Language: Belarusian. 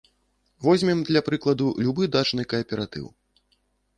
Возьмем, для прыкладу, любы дачны кааператыў.